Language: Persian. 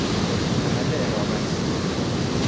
محل اقامت